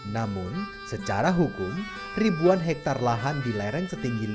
namun secara hukum ribuan hektare lahan di lereng setelah diperlukan